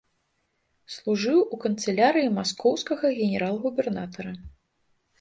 Служыў у канцылярыі маскоўскага генерал-губернатара.